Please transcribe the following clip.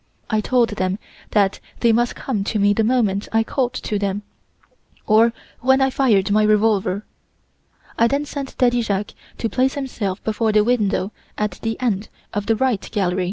I told them that they must come to me the moment I called to them, or when I fired my revolver. I then sent Daddy Jacques to place himself before the window at the end of the 'right' gallery.